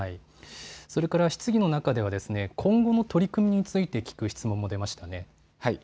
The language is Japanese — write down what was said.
それから質疑の中では、今後の取り組みについて聞く質問も出ましたね。